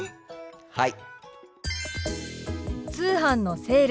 はい。